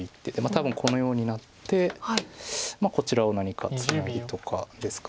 多分このようになってこちらを何かツナギとかですか。